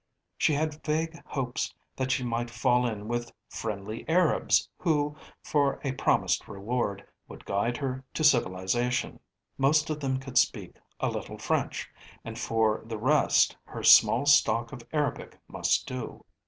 She had vague hopes that she might fall in with friendly Arabs who, for a promised reward, would guide her to civilisation. Most of them could speak a little French, and for the rest her small stock of Arabic must do.